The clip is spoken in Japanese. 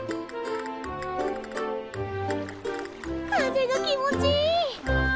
風が気持ちいい。だな。